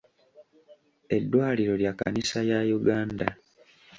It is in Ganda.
Eddwaliro lya kkanisa ya Uganda.